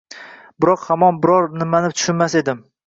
biroq hamon biror nimani tushunmas edim.